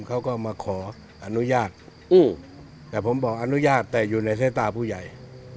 เขาก็มาขออนุญาตแต่ผมบอกอนุญาตแต่อยู่ในสายตาผู้ใหญ่